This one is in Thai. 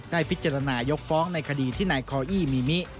พิจารณายกฟ้องในคดีที่นายคออี้มีมิ